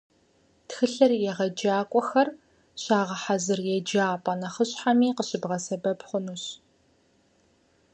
Тхылъыр егъэджакӀуэхэр щагъэхьэзыр еджапӀэ нэхъыщхьэхэми къыщыбгъэсэбэп хъунщ.